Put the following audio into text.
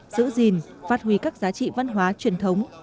giữ gìn phát huy các giá trị văn hóa truyền thống